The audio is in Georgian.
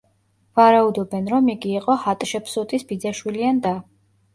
ვარაუდობენ, რომ იგი იყო ჰატშეფსუტის ბიძაშვილი ან და.